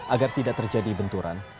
agar tidak terjadi benturan